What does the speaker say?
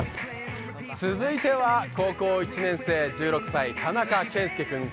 続いては高校１年生、１６歳、田中健介君。